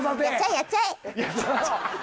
やっちゃえ！